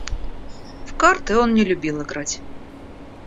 В карты он не любил играть.